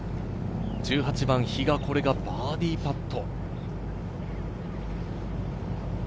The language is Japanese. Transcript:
１８番、比嘉、これがバーディーパット。